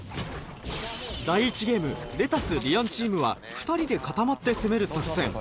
第１ゲームれたす・りあんチームは２人で固まって攻める作戦